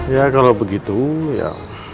ya kalau begitu ya